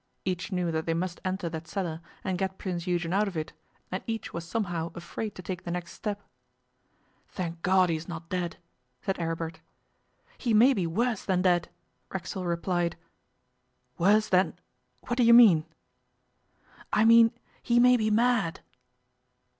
Each knew that they must enter that cellar and get Prince Eugen out of it, and each was somehow afraid to take the next step. 'Thank God he is not dead!' said Aribert. 'He may be worse than dead!' Racksole replied. 'Worse than What do you mean?' 'I mean he may be mad.